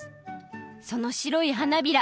そのしろい花びら